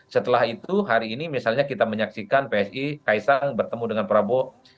setelah itu hari ini misalnya kita menyaksikan psi kaisang bertemu dengan prabowo